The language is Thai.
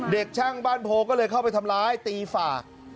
เด็กช่างบ้านโพก็เลยเข้าไปทำร้ายตีฝ่า